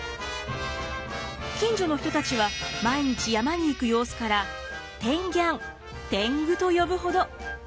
近所の人たちは毎日山に行く様子からてんぎゃん天狗と呼ぶほど。